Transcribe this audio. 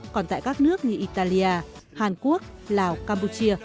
còn tại các nước như italia hàn quốc lào campuchia